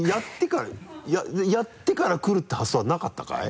やってから来るっていう発想はなかったかい？